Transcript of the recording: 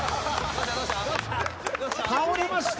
倒れました。